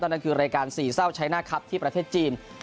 นั่นคือรายการสี่เศร้าใช้หน้าครับที่ประเทศจีน